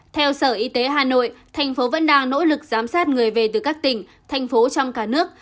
theo sở y tế hà nội thành phố vẫn đang nỗ lực giám sát người về từ các tỉnh thành phố trong cả nước